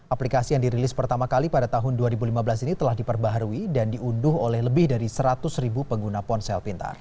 aplikasi yang dirilis pertama kali pada tahun dua ribu lima belas ini telah diperbaharui dan diunduh oleh lebih dari seratus ribu pengguna ponsel pintar